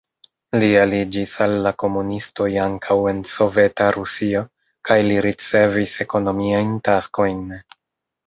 Li aliĝis al la komunistoj ankaŭ en Soveta Rusio kaj li ricevis ekonomiajn taskojn.